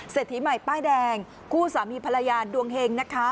ทีใหม่ป้ายแดงคู่สามีภรรยาดวงเฮงนะคะ